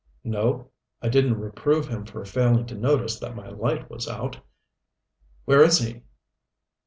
"No." I didn't reprove him for failing to notice that my light was out. "Where is he?"